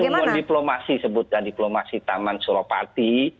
kalau pertumbuhan diplomasi sebutkan diplomasi taman sulawati